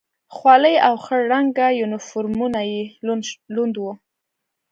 خولۍ او خړ رنګه یونیفورمونه یې لوند و.